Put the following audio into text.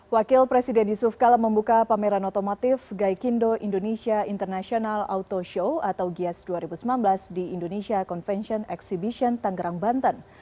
wakil presiden yusuf kala membuka pameran otomotif gaikindo indonesia international auto show atau gias dua ribu sembilan belas di indonesia convention exhibition tanggerang banten